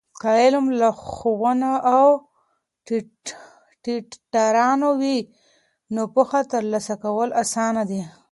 که علم له ښوونه ټیټرانو وي، نو پوهه ترلاسه کول آسانه دی.